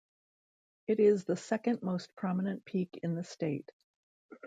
It is the second most prominent peak in the state.